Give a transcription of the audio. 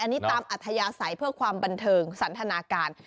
อันนี้ตามอัธยาศัยเพื่อความบันเทิงสันทนาการ